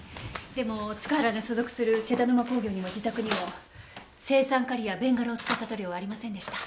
でも塚原の所属する勢田沼興行にも自宅にも青酸カリやベンガラを使った塗料はありませんでした。